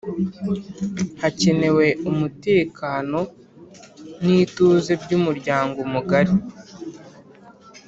Hakenewe umutekano n’ituze by’umuryango mugari